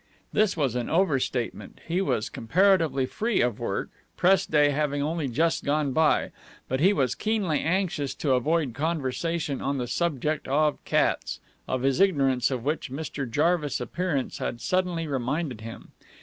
This was an overstatement. He was comparatively free of work, press day having only just gone by; but he was keenly anxious to avoid conversation on the subject of cats, of his ignorance of which Mr. Jarvis's appearance had suddenly reminded him.